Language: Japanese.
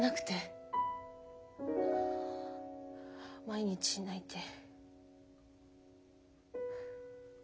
毎日泣いて。